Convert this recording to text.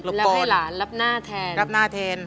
แล้วให้หลานรับหน้าแทนรับหน้าแทน